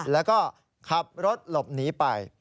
แล้วก็ขับรถหลบหนีไป